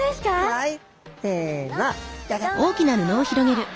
はい。